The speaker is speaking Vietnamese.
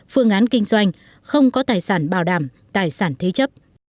phương án kinh doanh không có tài sản bảo đảm tài sản thế chấp